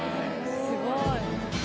すごい。